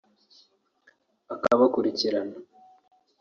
akabakurikirana